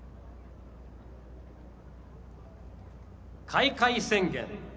開会宣言。